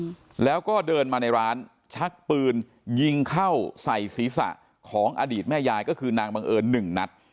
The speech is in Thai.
อืมแล้วก็เดินมาในร้านชักปืนยิงเข้าใส่ศีรษะของอดีตแม่ยายก็คือนางบังเอิญหนึ่งนัด